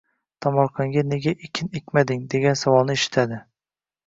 «Tomorqangga nega ekin ekmading!?» degan savolni eshitadi.